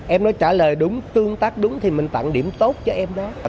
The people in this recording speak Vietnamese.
em đó trả lời đúng tương tác đúng thì mình tặng điểm tốt cho em đó